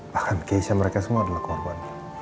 bahkan giesya mereka semua adalah kewarbannya